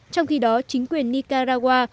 trong khi đó chính quyền nicaragua